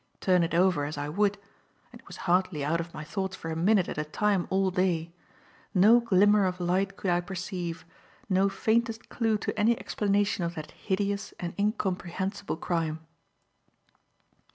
Turn it over as I would and it was hardly out of my thoughts for a minute at a time all day no glimmer of light could I perceive, no faintest clue to any explanation of that hideous and incomprehensible crime.